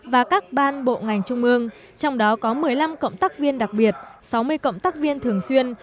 và các ban bộ ngành trung ương trong đó có một mươi năm cộng tác viên đặc biệt sáu mươi cộng tác viên thường xuyên